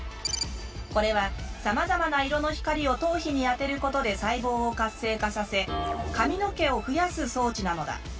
これはさまざまな色の光を頭皮に当てることで細胞を活性化させ髪の毛を増やす装置なのだ。